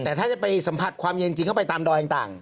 แต่ถ้าจะไปสัมผัสความเย็นจริงเข้าไปตามดอยต่าง